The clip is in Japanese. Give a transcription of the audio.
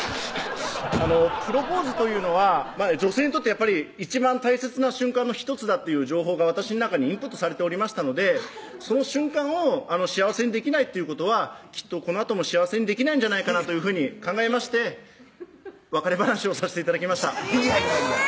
プロポーズというのは女性にとってやっぱり一番大切な瞬間の１つだという情報が私の中にインプットされておりましたのでその瞬間を幸せにできないということはきっとこのあとも幸せにできないんじゃないかなというふうに考えまして別れ話をさして頂きましたえぇ！